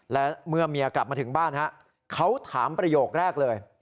และเมื่อเมียกลับมาถึงบ้านเขาถามประโยคแรกเลย